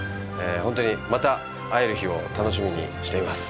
本当にまた会える日を楽しみにしています。